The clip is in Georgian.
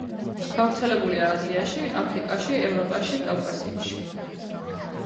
გავრცელებულია აზიაში, აფრიკაში, ევროპაში, კავკასიაში.